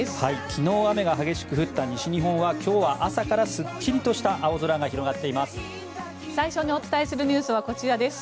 昨日、雨が激しく降った西日本は今日は朝からすっきりとした青空が広がっています。